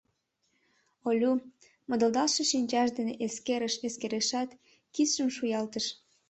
Олю модылдалше шинчаж дене эскерыш-эскерышат, кидшым шуялтыш.